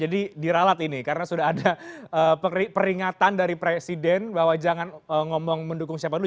jadi diralat ini karena sudah ada peringatan dari presiden bahwa jangan ngomong mendukung siapa dulu